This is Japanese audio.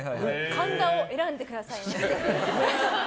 神田を選んでくださいました。